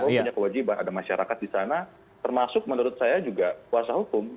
kalau punya kewajiban ada masyarakat di sana termasuk menurut saya juga kuasa hukum